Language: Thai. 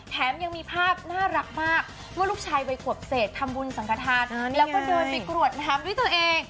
แถมยังมีภาพน่ารักมากเมื่อลูกชายวัยขวบเศษทำบุญสังขทานแล้วก็เดินไปกรวดน้ำด้วยตัวเอง